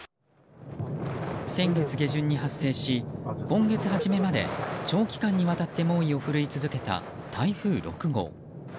先月下旬に発生し今月初めまで長期間にわたって猛威を振るい続けた台風６号。